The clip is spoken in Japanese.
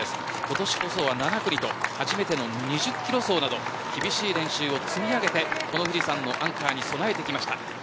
今年こそは７区にいた初めての２０キロ走など厳しい練習を積み上げて富士山のアンカーに備えてきました。